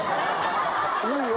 いいよ！